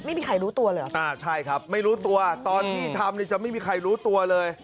ไม่มีใครรู้ตัวเหรอครับรู้ตัวตอนที่ทํะจะไม่มีใครรู้ตัว